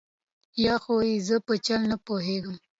یا خو یې زه په چل نه پوهېږم.